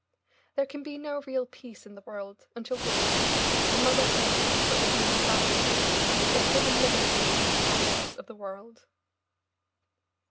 There can be no real peace in the world until woman, the mother half of the human family, is given liberty in the councils of the world.